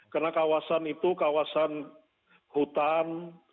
karena kawasan itu kawasan hutan